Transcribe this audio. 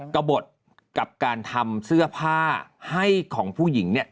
กระบดกับการทำเสื้อผ้าให้ของผู้หญิงเนี่ย